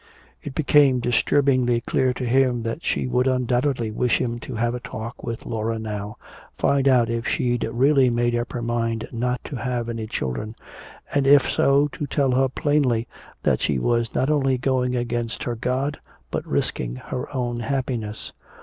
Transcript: It became disturbingly clear to him that she would undoubtedly wish him to have a talk with Laura now, find out if she'd really made up her mind not to have any children, and if so to tell her plainly that she was not only going against her God but risking her own happiness.